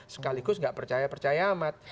sekaligus nggak percaya percaya amat